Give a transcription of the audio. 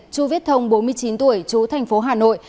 chu viết thông bốn mươi chín tuổi chú thành phố hà nội